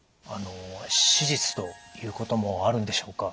手術ということもあるんでしょうか？